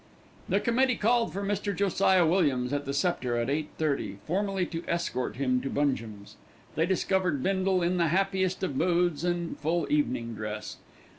The Committee called for Mr. Josiah Williams at the Sceptre at 8.30, formally to escort him to Bungem's. They discovered Bindle in the happiest of moods and full evening dress.